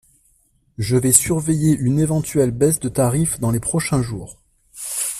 Je vais surveiller une éventuelle baisse de tarif dans les prochains jours.